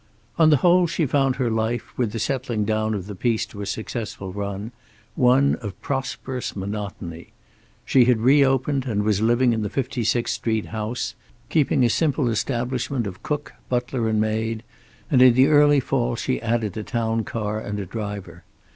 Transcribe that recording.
On the whole she found her life, with the settling down of the piece to a successful, run, one of prosperous monotony. She had re opened and was living in the 56th Street house, keeping a simple establishment of cook, butler and maid, and in the early fall she added a town car and a driver.